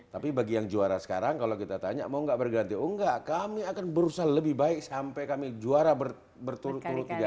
tapi bagi yang juara sekarang kalau kita tanya mau nggak berganti oh enggak kami akan berusaha lebih baik sampai kami juara berturut turut tiga hari